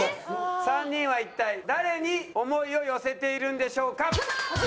３人は一体誰に思いを寄せているんでしょうか？